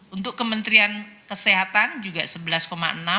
untuk kementerian kesehatan juga sebelas enam triliun